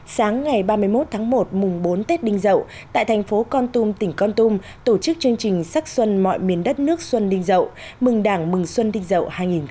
sáng ngày ba mươi một tháng một mùng bốn tết đinh dậu tại thành phố con tum tỉnh con tum tổ chức chương trình sắc xuân mọi miền đất nước xuân đinh rậu mừng đảng mừng xuân đinh dậu hai nghìn hai mươi